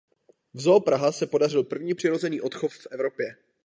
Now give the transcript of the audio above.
V Zoo Praha se podařil první přirozený odchov v Evropě.